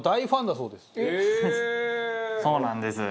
そうなんです。